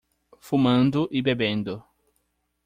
Fumando e bebendo